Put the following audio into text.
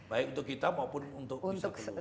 baik untuk kita maupun untuk bisa keluar